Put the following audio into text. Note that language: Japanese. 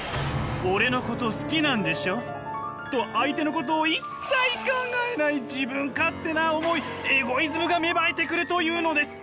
「オレのこと好きなんでしょ？」と相手のことを一切考えない自分勝手な思いエゴイズムが芽生えてくるというのです！